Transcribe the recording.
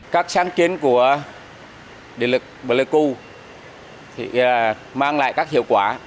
các sáng kiến của địa lực bà lê cư mang lại các hiệu quả